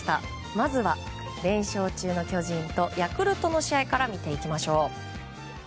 まずは連勝中の巨人とヤクルトの試合から見ていきましょう。